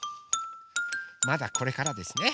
まだこれからですね。